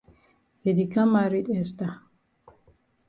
Dey di kam maret Esther.